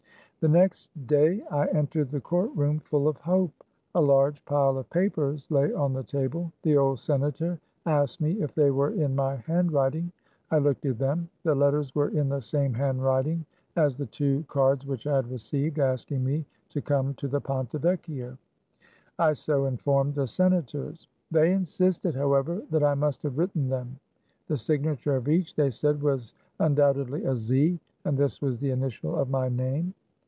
The next day I entered the court room full of hope. A large pile of papers lay on the table. The old senator asked me if they were in mjr handwriting. I looked at them. The letters were in the same handwriting as the two cards which 1 had received, asking me to come to the Ponte Yecchio. I so informed the senators. They insisted, however, that I must have written them. The signature of each, they said, was undoubtedly a Z, and this was the initial of my name.